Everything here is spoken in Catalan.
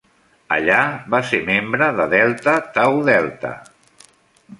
Allà, va ser membre de Delta Tau Delta.